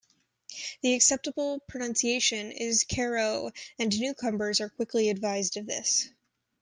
The accepted pronunciation is "care-oh", and newcomers are quickly advised of this.